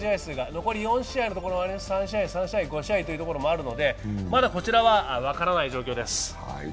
残り４試合のところ、３試合、５試合というところもあるので、まだこちらは分からない状況です。